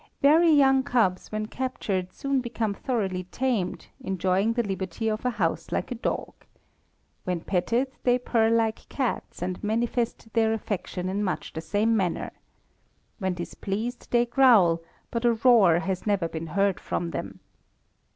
Very young cubs when captured soon become thoroughly tamed, enjoying the liberty of a house like a dog. When petted they purr like cats and manifest their affection in much the same manner. When displeased they growl, but a roar has never been heard from them.